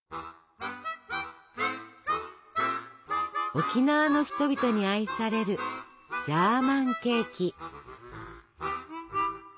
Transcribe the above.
沖縄の人々に愛されるジャーマンケーキ。